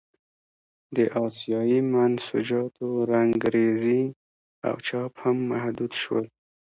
د اسیايي منسوجاتو رنګرېزي او چاپ هم محدود شول.